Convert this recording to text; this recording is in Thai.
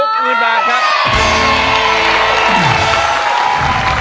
๖๐๐๐๐บาทครับ